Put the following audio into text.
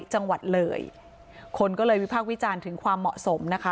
จังหวัดเลยคนก็เลยวิพากษ์วิจารณ์ถึงความเหมาะสมนะคะ